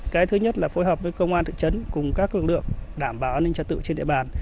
cái thứ nhất là phối hợp với công an thực chấn cùng các cường lượng đảm bảo an ninh trả tự trên địa bàn